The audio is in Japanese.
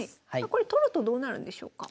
これ取るとどうなるんでしょうか？